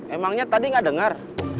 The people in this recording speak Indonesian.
emangnya tadi gak denger